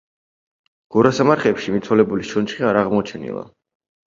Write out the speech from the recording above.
გორასამარხებში მიცვალებულის ჩონჩხი არ აღმოჩენილა.